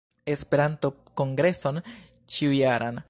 Esperanto-kongreson ĉiujaran